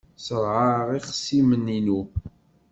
Ṣerɛeɣ ixṣimen-inu.